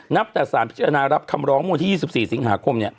นับแต่ศาลพิจารณ้ารับคำล้อมเมื่อที่๒๔สิงหาคม